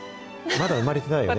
まだ生まれてないよね？